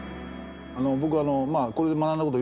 僕これで学んだこと